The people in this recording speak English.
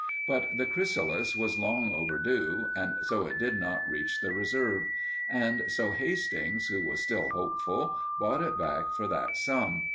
But the chrysalis was long overdue, and so it did not reach the reserve; and so Hastings, who was still hopeful, bought it back for that sum.